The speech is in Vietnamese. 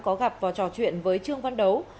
có gặp vào trò chuyện với trương văn đấu